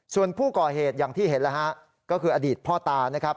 ส่วนผู้ก่อเหตุอย่างที่เห็นคืออดีตพ่อตา